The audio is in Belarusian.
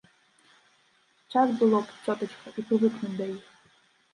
Час было б, цётачка, і прывыкнуць да іх.